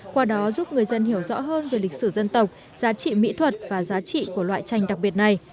qua đó giúp người dân hiểu rõ hơn về lịch sử dân tộc giá trị mỹ thuật và giá trị của loại tranh đặc biệt này